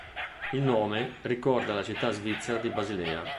Il nome ricorda la città svizzera di Basilea.